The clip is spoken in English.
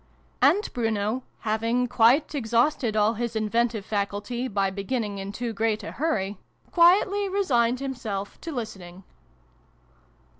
And Bruno, having quite exhausted all his inventive faculty, by beginning in too great a hurry, quietly resigned himself to listening.